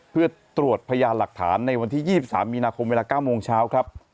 เพื่อตรวจพยานหลักฐานในวันที่๒๓มีนาคมเวลา๙โมงเช้าครับ